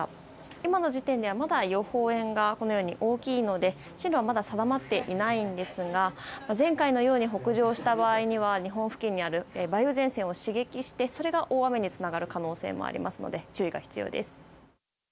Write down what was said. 今の時点ではまだ予報円が大きいので進路はまだ定まっていないんですが前回のように北上した場合には日本付近にある梅雨前線を刺激してそれが大雨につながる可能性もありますので注意が必要です。